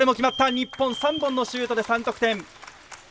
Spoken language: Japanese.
日本、３本のシュートで３得点！